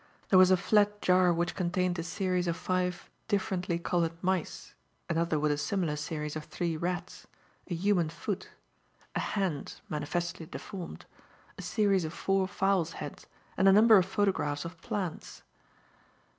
There was a flat jar which contained a series of five differently coloured mice, another with a similar series of three rats, a human foot, a hand manifestly deformed a series of four fowls' heads and a number of photographs of plants.